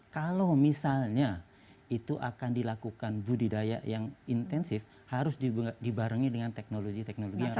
kalau misalnya itu akan dilakukan budidaya yang intensif harus dibarengi dengan teknologi teknologi yang ada